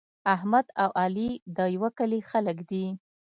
احمد او علي د یوه کلي خلک دي.